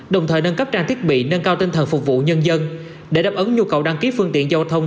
đồng thời nâng cấp trang thiết bị nâng cao tinh thần phục vụ nhân dân để đáp ứng nhu cầu đăng ký phương tiện giao thông